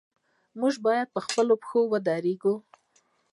موږ باید په خپلو پښو ودریږو.